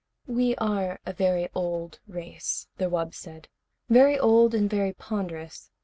"We are a very old race," the wub said. "Very old and very ponderous.